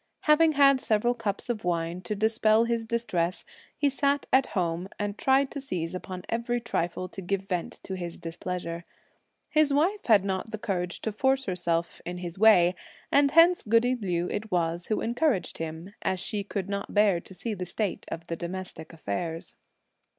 Having had several cups of wine to dispel his distress, he sat at home and tried to seize upon every trifle to give vent to his displeasure. His wife had not the courage to force herself in his way, and hence goody Liu it was who encouraged him, as she could not bear to see the state of the domestic affairs.